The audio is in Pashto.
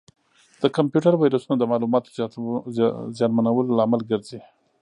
د کمپیوټر ویروسونه د معلوماتو زیانمنولو لامل ګرځي.